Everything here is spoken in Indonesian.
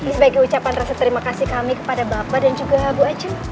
sebagai ucapan rasa terima kasih kami kepada bapak dan juga bu aceh